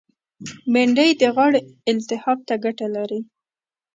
بېنډۍ د غاړې التهاب ته ګټه لري